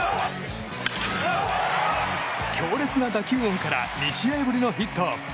強烈な打球音から２試合ぶりのヒット。